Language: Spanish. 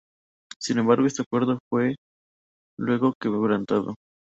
Sin embargo, este acuerdo fue luego quebrantado.